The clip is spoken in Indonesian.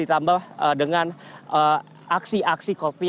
tambah dengan aksi aksi coldplay